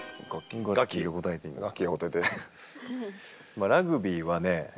まあラグビーはね